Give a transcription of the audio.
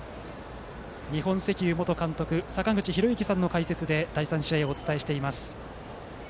日本石油元監督の坂口裕之さんの解説で第３試合をお伝えしています。